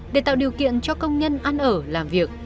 để tạo điều kiện cho công nhân ăn ở làm việc